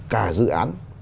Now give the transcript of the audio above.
cả dự án